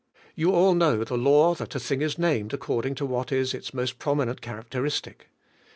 You all know the law that a thing is named according to what is its most prominent characteristic.